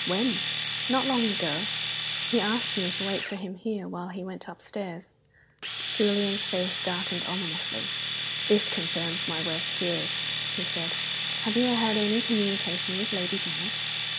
"When?" "Not long ago. He asked me to wait for him here while he went upstairs." Julian's face darkened ominously. "This confirms my worst fears," he said. "Have you had any communication with Lady Janet?"